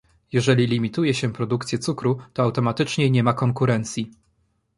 Jeżeli limituje się produkcję cukru, to automatycznie nie ma konkurencji